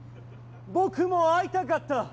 僕も会いたかった。